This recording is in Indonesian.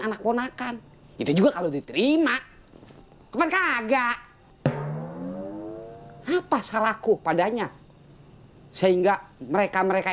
anak ponakan itu juga kalau diterima kagak apa salahku padanya sehingga mereka mereka